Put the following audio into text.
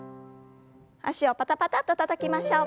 脚をパタパタッとたたきましょう。